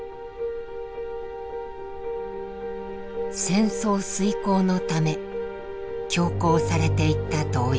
戦争遂行のため強行されていった動員。